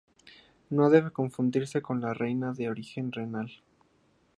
No debe confundirse con la renina de origen renal.